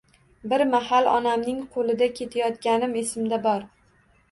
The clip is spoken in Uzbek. Bir mahal onamning qo‘lida ketayotganim esimda bor.